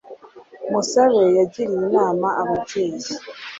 Musabe yagiriye inama ababyeyi